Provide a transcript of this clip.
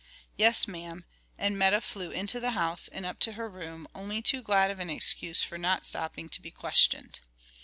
"Yes, ma'am," and Meta flew into the house and up to her room, only too glad of an excuse for not stopping to be questioned.